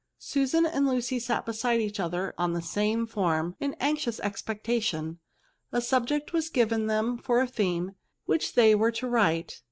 Susan and Lucy sat beside each other on the same form, in anxious expectation. A subject was given them for a theme, which they were to write.